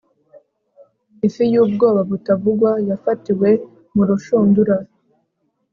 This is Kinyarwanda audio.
ifi yubwoba butavugwa yafatiwe mu rushundura